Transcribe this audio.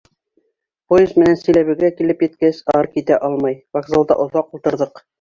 Поезд менән Силәбегә килеп еткәс, ары китә алмай, вокзалда оҙаҡ ултырҙыҡ.